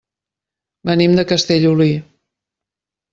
Venim de Castellolí.